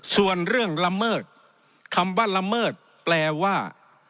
ส่วนเรื่องละเมิดคำว่าละเมิดแปลว่า